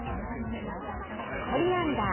コリアンダー。